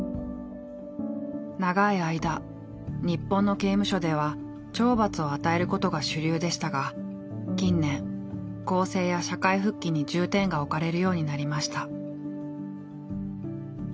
長い間日本の刑務所では懲罰を与えることが主流でしたが近年更生や社会復帰に重点が置かれるようになりました。